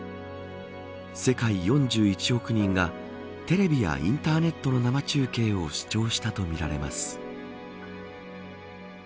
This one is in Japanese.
世界４１億人がテレビやインターネットの生中継を視聴したとみられます。